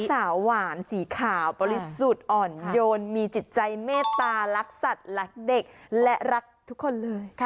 สาวหวานสีขาวบริสุทธิ์อ่อนโยนมีจิตใจเมตตารักสัตว์รักเด็กและรักทุกคนเลย